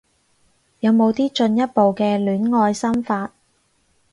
有冇啲進一步嘅戀愛心法